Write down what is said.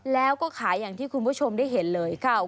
แล้วก็ขายอย่างที่คุณผู้ชมได้เห็นเลยค่ะ